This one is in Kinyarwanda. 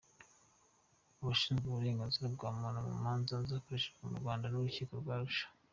Abashinzwe uburenganzira bwa muntu mu manza zoherejwe mu Rwanda n’Urukiko rwa Arusha